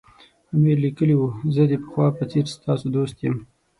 امیر لیکلي وو زه د پخوا په څېر ستاسو دوست یم.